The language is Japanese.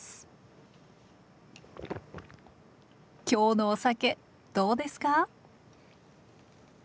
今日のお酒どうですか？